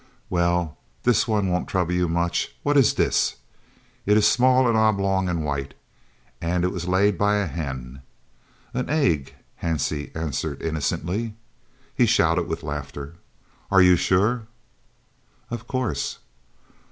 "Well, dis one won't trouble you much. What is dis? It is small and oblong and white, and it was laid by a hen?" "An egg," Hansie answered innocently. He shouted with laughter. "Are you sure?" "Of course."